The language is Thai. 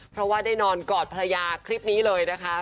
เพราะว่าได้นอนกอดภรรยาคลิปนี้เลยนะคะ